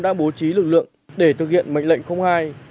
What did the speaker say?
đã bố trí lực lượng để thực hiện mệnh lệnh hai